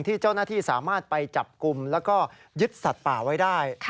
ที่เจ้าหน้าที่สามารถไปจับกลุ่มแล้วก็ยึดสัตว์ป่าไว้ได้